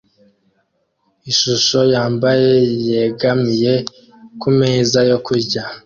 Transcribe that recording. Ishusho yambaye yegamiye kumeza yo kurya